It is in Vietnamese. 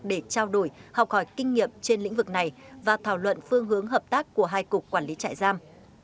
để trao đổi học hỏi kinh nghiệm trên lĩnh vực này và thảo luận phương hướng hợp tác của hai cục quản lý trại giam